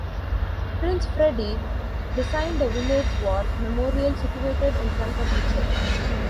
Prince Freddy designed the village war memorial situated in front of the church.